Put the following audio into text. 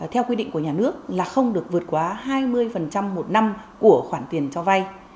theo quy định của nhà nước là không được vượt quá hai mươi một năm của khoản tiền cho vay